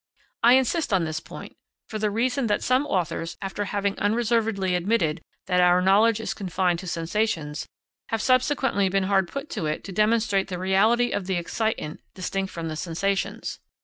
I insist on this point, for the reason that some authors, after having unreservedly admitted that our knowledge is confined to sensations, have subsequently been hard put to it to demonstrate the reality of the excitant distinct from the sensations.